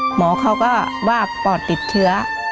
หมอเขาก็ว่าปอดติดเชื้อ